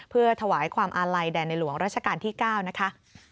เพื่อถวายความอาลัยแด่ในหลวงราชการที่๙นะคะ